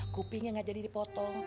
kupingnya tidak jadi dipotong